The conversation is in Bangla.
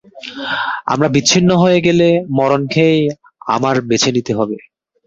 আমরা বিচ্ছিন্ন হয়ে গেলে মরণকেই আমার বেছে নিতে হবে।